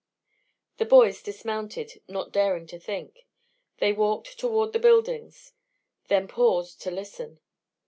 The boys dismounted, not daring to think. They walked toward the buildings, then paused to listen.